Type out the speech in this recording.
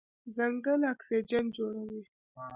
ځنګل اکسیجن جوړوي.